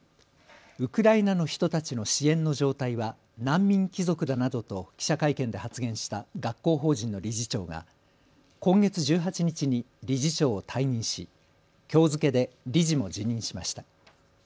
ウクライナの人たちの支援の状態は難民貴族だなどと記者会見で発言した学校法人の理事長が今月１８日に理事長を退任しきょう付けで理事も辞任しました。